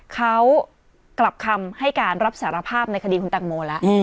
เขากลับคำให้การรับสารภาพในคดีคุณแตงโมแล้ว